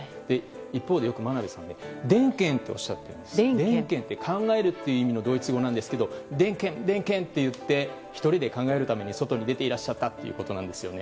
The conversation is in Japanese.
一方でよく真鍋さんはデンケンとおっしゃっていて考えるという意味のドイツ語なんですがデンケンと言って１人で外に出ていらっしゃったということなんですね。